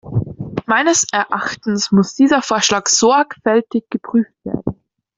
Meines Erachtens muss dieser Vorschlag sorgfältig geprüft werden.